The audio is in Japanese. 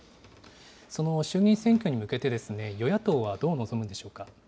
その衆議院選挙に向けてですね、与野党はどう臨むんでしょう